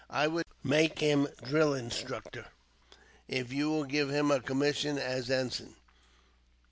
I would make him drill instructor, if you will give him a commission as ensign.